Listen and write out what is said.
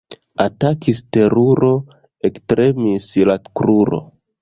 Atakis teruro, ektremis la kruro.